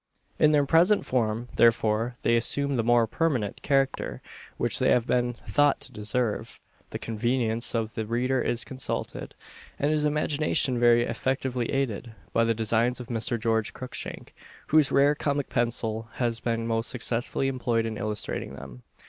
In their present form, therefore, they assume the more permanent character which they have been thought to deserve; the convenience of the reader is consulted, and his imagination very effectively aided, by the Designs of Mr. George Cruikshank, whose rare comic pencil has been most successfully employed in illustrating them.